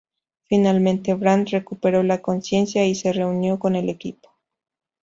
Finalmente Brand recuperó la conciencia y se reunió con el equipo.